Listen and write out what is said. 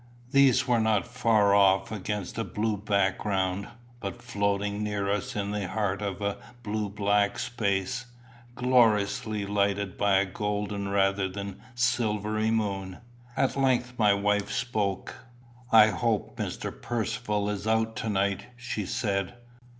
These were not far off against a blue background, but floating near us in the heart of a blue black space, gloriously lighted by a golden rather than silvery moon. At length my wife spoke. "I hope Mr. Percivale is out to night," she said.